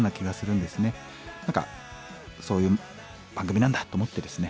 何かそういう番組なんだと思ってですね